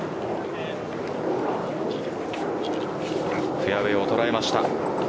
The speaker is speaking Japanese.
フェアウエーを捉えました。